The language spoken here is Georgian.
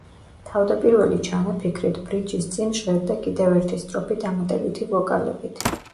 თავდაპირველი ჩანაფიქრით, ბრიჯის წინ ჟღერდა კიდევ ერთი სტროფი დამატებითი ვოკალებით.